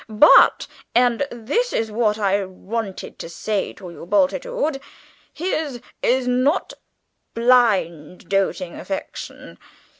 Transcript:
"But and this is what I wanted to say to you, Bultitude his is no blind doting affection.